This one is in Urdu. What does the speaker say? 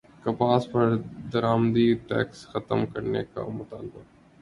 کپاس پر درامدی ٹیکس ختم کرنے کا مطالبہ